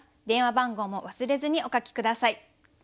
電話番号も忘れずにお書き下さい。